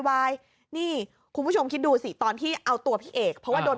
วายนี่คุณผู้ชมคิดดูสิตอนที่เอาตัวพี่เอกเพราะว่าโดน